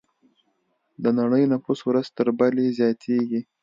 د نړۍ نفوس ورځ تر بلې زیاتېږي.